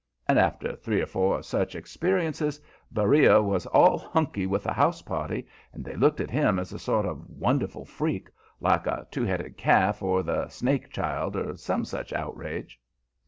And, after three or four of such experiences, Beriah was all hunky with the "house party," and they looked at him as a sort of wonderful freak, like a two headed calf or the "snake child," or some such outrage.